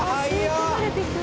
吸い込まれていく。